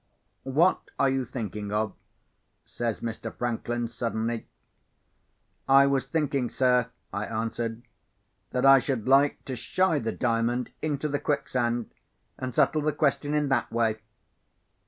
"What are you thinking of?" says Mr. Franklin, suddenly. "I was thinking, sir," I answered, "that I should like to shy the Diamond into the quicksand, and settle the question in that way."